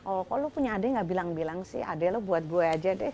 oh kok lo punya adik gak bilang bilang sih adik lo buat gue aja deh